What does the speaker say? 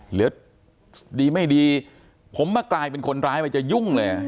หรือดีไม่ดีผมมากลายเป็นคนร้ายไปจะยุ่งเลย